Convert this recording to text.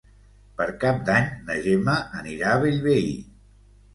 Per Cap d'Any na Gemma anirà a Bellvei.